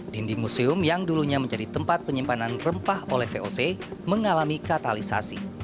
dinding museum yang dulunya menjadi tempat penyimpanan rempah oleh voc mengalami katalisasi